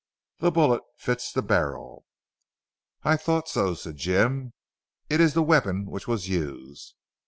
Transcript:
"The bullet fits the barrel. "I thought so," said Jim. "It is the weapon which was used."